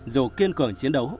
dù kiên cường chiến đấu